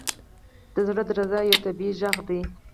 • د زړه درزا یو طبیعي ږغ دی.